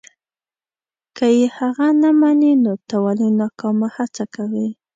که یې هغه نه مني نو ته ولې ناکامه هڅه کوې.